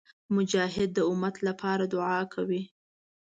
مجاهد د امت لپاره دعا کوي.